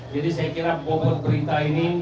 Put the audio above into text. jadi saya kira bobot berita ini